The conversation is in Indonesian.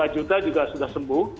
tiga belas lima juta juga sudah sembuh